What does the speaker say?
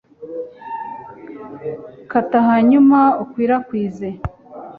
kata hanyuma ukwirakwize